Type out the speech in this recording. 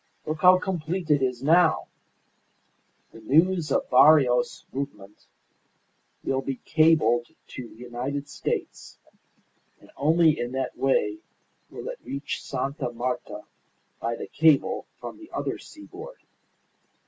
Look how complete it is now! The news of Barrios' movement will be cabled to the United States, and only in that way will it reach Sta. Marta by the cable from the other seaboard.